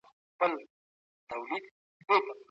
کاروونکي د ساده او روانه نیویګیشن توقع لري هر وخت.